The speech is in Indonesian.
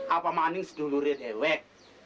apa maning sedulurit ewek